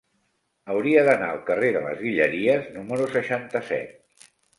Hauria d'anar al carrer de les Guilleries número seixanta-set.